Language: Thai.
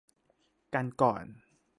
กันก่อน